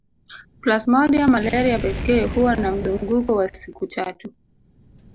Plasmodium malaria pekee huwa na mzunguko wa siku tatu